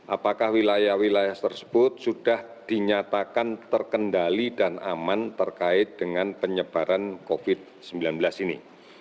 apakah wilayah wilayah tersebut sudah dinyatakan terkendali dan aman terkait dengan penyebaran covid sembilan belas ini